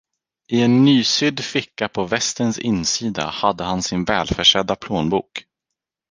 I en nysydd ficka på västens insida hade han sin välförsedda plånbok.